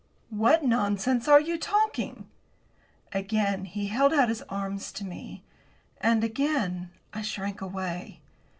"What nonsense are you talking?" Again he held out his arms to me. And again I shrank away.